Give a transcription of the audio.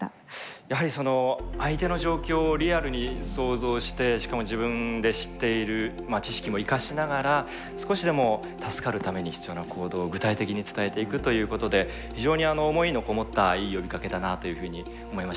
やはり相手の状況をリアルに想像してしかも自分で知っている知識も生かしながら少しでも助かるために必要な行動を具体的に伝えていくということで非常に思いのこもったいい呼びかけだなというふうに思いました。